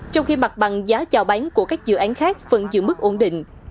trong khi mặt bằng giá chào bán của các dự án khác vẫn giữ mức ổn định